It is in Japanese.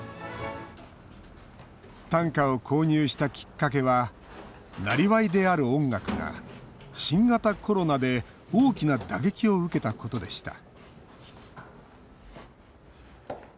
短歌を購入したきっかけはなりわいである音楽が新型コロナで大きな打撃を受けたことでした